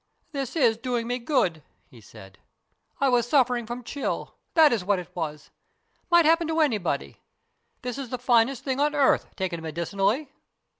" This is doing me good," he said. " I was suffering from chill. That is what it was. Might happen to anybody. This is the finest thing on earth, taken medicinally."